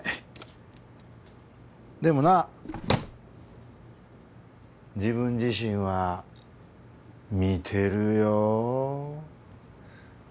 でもな自分自身は見てるよ。